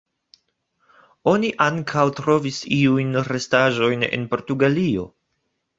Oni ankaŭ trovis iujn restaĵojn en Portugalio.